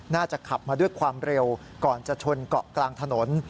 น่าจะขับมาด้วยความเร็วก่อนจะชนเกาะกลางถนน